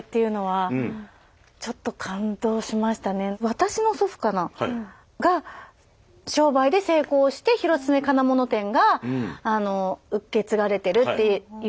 私の祖父かな？が商売で成功して広末金物店が受け継がれてるっていうふうに聞いてたので。